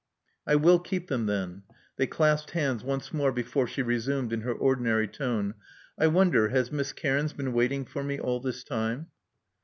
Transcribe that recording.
I will keep them then." They clasped hands once more before she resumed in her ordinary tone, I wonder has Miss Cairns been waiting for me all this time."